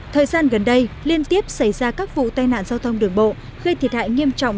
thời gian gần đây liên tiếp xảy ra các vụ tai nạn giao thông đường bộ gây thiệt hại nghiêm trọng